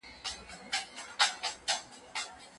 حیات الله ته یو ځل بیا د خپلې ځوانۍ قوت په یاد شو.